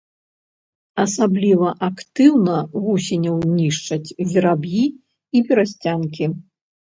Асабліва актыўна вусеняў нішчаць вераб'і і берасцянкі.